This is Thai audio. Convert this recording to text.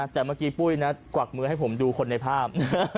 แต่เมื่อกี้ปุ้ยนะกวักมือให้ผมดูคนในภาพ